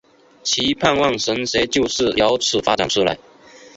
其盼望神学就是有此发展出来。